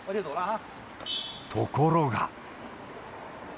ところが。